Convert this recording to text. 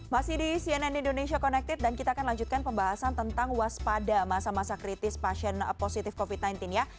masih di cnn indonesia connected dan kita akan lanjutkan pembahasan tentang waspada masa masa kritis pasien positif covid sembilan belas ya